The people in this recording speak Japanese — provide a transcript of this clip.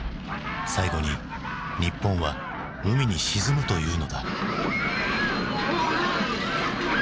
最後に日本は海に沈むというのだ。